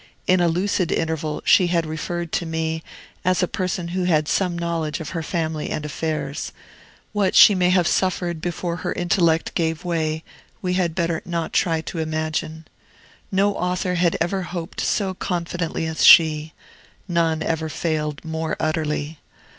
In a lucid interval she had referred to me, as a person who had some knowledge of her family and affairs. What she may have suffered before her intellect gave way, we had better not try to imagine. No author had ever hoped so confidently as she; none ever failed more utterly.